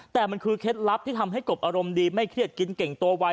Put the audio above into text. แต่มันคือเคล็ดลับที่ทำให้กบอารมณ์ดีไม่เครียดกินเก่งโตไว